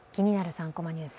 ３コマニュース」